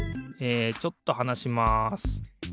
えちょっとはなします。